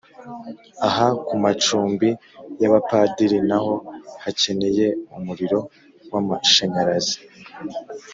aha ku macumbi y’abapadiri naho hakeneye umuriro w’amashanyarazi